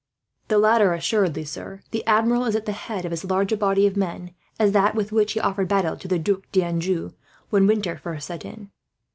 "The latter, assuredly, sir. The Admiral is at the head of as large a body of men as that with which he offered battle to the Duc d'Anjou, when winter first set in."